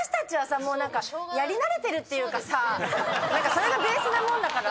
何かそれがベースなもんだから。